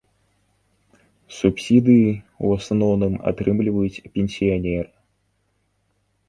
Субсідыі ў асноўным атрымліваюць пенсіянеры.